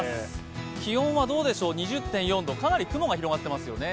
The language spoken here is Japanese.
気温は２０．４度、かなり雲が広がっていますよね。